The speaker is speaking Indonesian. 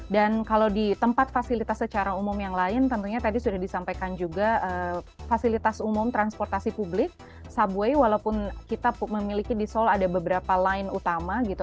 dan kalau di tempat fasilitas secara umum yang lain tentunya tadi sudah disampaikan juga fasilitas umum transportasi publik subway walaupun kita memiliki di seoul ada beberapa lain utama gitu